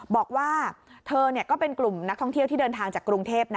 บอกว่าเธอก็เป็นกลุ่มนักท่องเที่ยวที่เดินทางจากกรุงเทพ